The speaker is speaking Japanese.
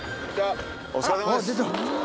お疲れさまです。